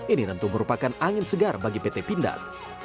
ini tentu merupakan angin segar bagi pt pindad